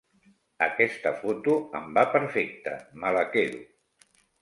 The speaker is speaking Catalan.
Aquesta foto em va perfecte; me la quedo.